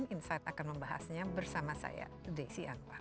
insight akan membahasnya bersama saya desi anwar